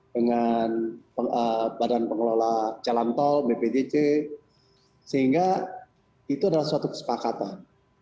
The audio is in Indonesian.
dengan badan pengelola jalan tol bpj sehingga itu adalah suatu kesepakatan